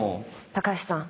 高橋さん。